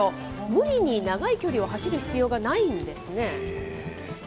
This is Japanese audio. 無理に長い距離を走る必要がないんですね。